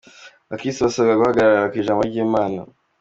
Abakirisito basabwa guhagarara ku ijambo ry’Imana.